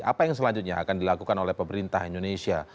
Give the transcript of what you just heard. apa yang selanjutnya akan dilakukan oleh pemerintah indonesia